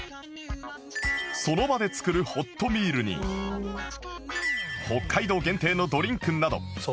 その場で作るホットミールに北海道限定のドリンクなど